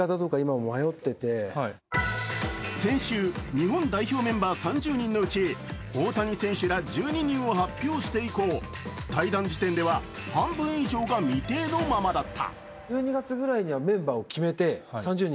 先週、日本代表メンバー３０人のうち大谷選手ら１２人を発表して以降、対談時点では半分以上が未定のままだった。